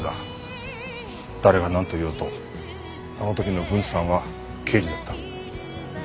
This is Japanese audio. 誰がなんと言おうとあの時の郡さんは刑事だった。